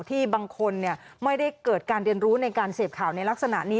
ที่บางคนไม่ได้เกิดการเรียนรู้ในการเสพข่าวในลักษณะนี้